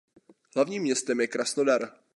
Hlavním městem je Krasnodar.